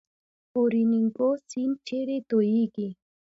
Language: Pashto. اورینوکو سیند چیرې تویږي؟